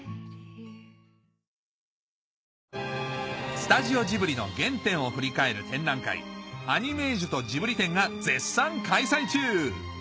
スタジオジブリの原点を振り返る展覧会アニメージュとジブリ展が絶賛開催中